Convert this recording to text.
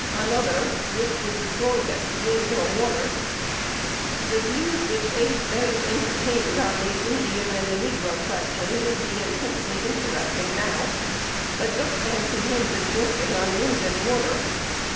Another, "Which was the strongest, Wind or Water?"1 The views which Abe then entertained on the Indian and the negro question would be intensely interesting now. But just fancy him discoursing on wind and water!